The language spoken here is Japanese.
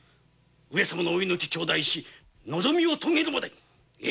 上様のお命をいただき望みを遂げるまで。